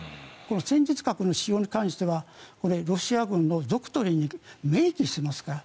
戦術核の使用に関してはロシア軍のドクトリンに明記していますから。